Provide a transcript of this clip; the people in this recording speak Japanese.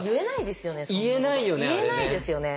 言えないですよね